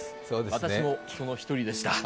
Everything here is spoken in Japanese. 私もその一人でした。